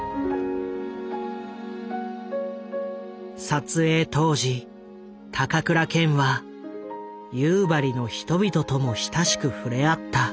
撮影当時高倉健は夕張の人々とも親しく触れ合った。